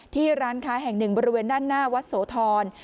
ร้านค้าแห่งหนึ่งบริเวณด้านหน้าวัดโสธร